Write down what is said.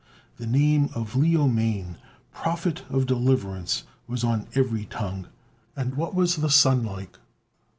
The name of Leo Mane, prophet of deliverance, was on every tongue. And what was the Sun like?